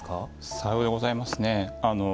さようでございますね。